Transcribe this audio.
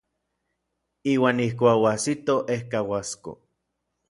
Iuan ijkuak oajsitoj ejkauasko.